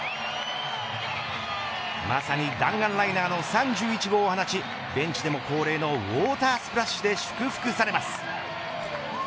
まさに弾丸ライナーの３１号を放ちベンチでも恒例のウォータースプラッシュで祝福されます。